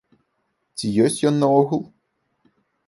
Ці ёсць ён наогул?